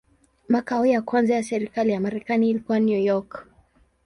Makao ya kwanza ya serikali ya Marekani ilikuwa New York.